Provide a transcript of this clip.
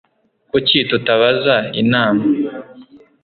Kuki tutabaza inama